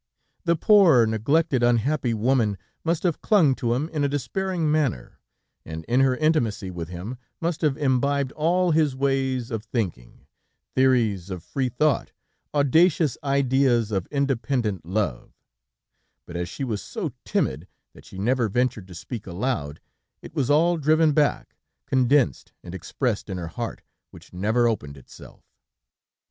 The poor, neglected, unhappy woman, must have clung to him in a despairing manner, and in her intimacy with him must have imbibed all his ways of thinking, theories of free thought, audacious ideas of independent love; but as she was so timid that she never ventured to speak aloud, it was all driven back, condensed and expressed in her heart, which never opened itself.